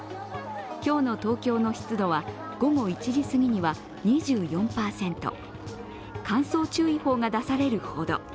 今日の東京の湿度は午後１時すぎには２４％、乾燥注意報が出されるほど。